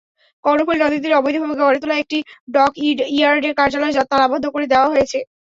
কর্ণফুলী নদীর তীরে অবৈধভাবে গড়ে তোলা একটি ডকইয়ার্ডের কার্যালয় তালাবদ্ধ করে দেওয়া হয়েছে।